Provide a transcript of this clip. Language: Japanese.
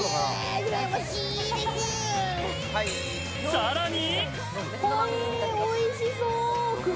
さらに。